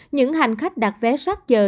những hành khách đặt vé sát giờ